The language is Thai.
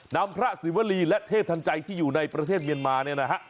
นำพระศิวรีและเทพทันใจที่อยู่ในประเทศเมียนมาเนี่ยนะฮะ